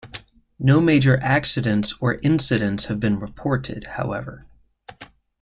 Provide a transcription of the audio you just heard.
No major accidents or incidents have been reported, however.